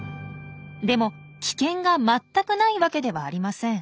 でも危険が全くないわけではありません。